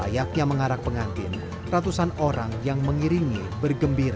layaknya mengarak pengantin ratusan orang yang mengiringi bergembira